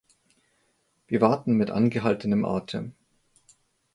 Wir warten mit angehaltenem Atem.